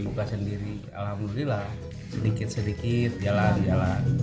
buka sendiri alhamdulillah sedikit sedikit jalan jalan